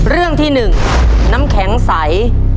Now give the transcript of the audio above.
เรื่องที่๑น้ำแข็งใส